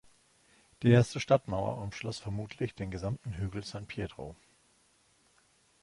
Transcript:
Die erste Stadtmauer umschloss vermutlich den gesamten Hügel San Pietro.